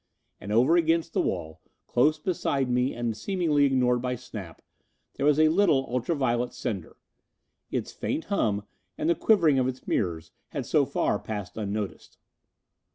And over against the wall, close beside me and seemingly ignored by Snap, there was a tiny ultra violet sender. Its faint hum and the quivering of its mirrors had so far passed unnoticed.